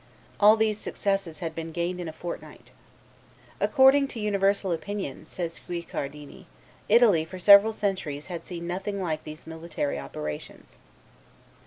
All these successes had been gained in a fortnight. "According to universal opinion," says Guicciardini, "Italy for several centuries had seen nothing like these military operations."